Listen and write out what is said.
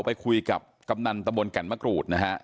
ไปคุยกับกำนันตะบนแก่นมะกรูดนะฮะ